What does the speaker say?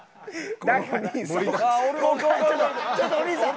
ちょっとお兄さん！